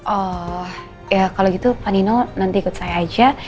oh ya kalau gitu pak nino nanti ikut saya aja